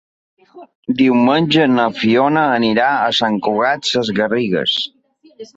Diumenge na Fiona anirà a Sant Cugat Sesgarrigues.